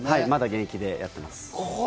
まだ現役でやってます。